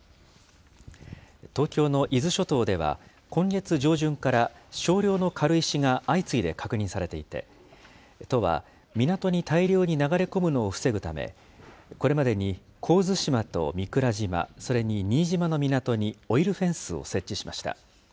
東京の伊豆諸島では、今月上旬から少量の軽石が相次いで確認されていて、都は港に大量に流れ込むのを防ぐため、これまでに神津島と御蔵島、それに新島の港にオイルフェンスを設置しました。